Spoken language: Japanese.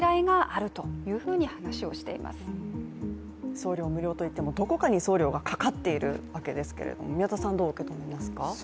送料無料といっても、どこかに送料がかかっているわけですが、どう受け止めますか？